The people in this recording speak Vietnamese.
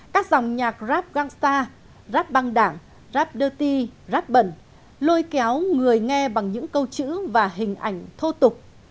các dòng nhạc rap gangsta rap băng đảng rap dirty rap bẩn lôi kéo người nghe bằng những câu chữ và hình ảnh thô tục